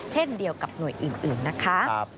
เช่นเดียวกับหน่วยอื่นนะคะ